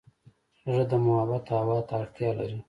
زړه د محبت هوا ته اړتیا لري.